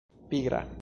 pigra